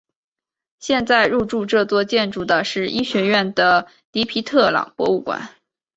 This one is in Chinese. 现在入驻这座建筑的是医学院的迪皮特朗博物馆。